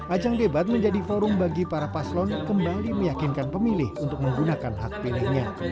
ajang debat menjadi forum bagi para paslon kembali meyakinkan pemilih untuk menggunakan hak pilihnya